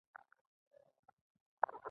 په افغانستان کې د سیلانی ځایونه تاریخ اوږد دی.